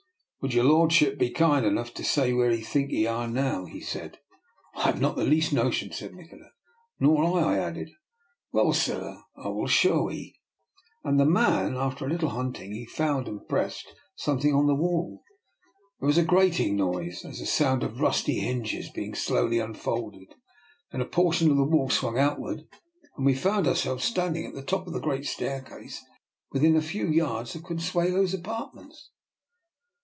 " Would your lordship be kind enough to say where 'ee think 'ee are now? " he said. " I have not the least notion," said Nikola. " Nor I,'' I added. " Well, sir, I will show 'ee," said the man, and after a little hunting he found and pressed DR. NIKOLA'S EXPERIMENT. 255 something in the wall. There was a grating noise, a sound as of rusty hinges being slowly unfolded, and then a portion of the wall swung outward and we found ourselves standing at the top of the great staircase within a few yards of Consuelo's apartments.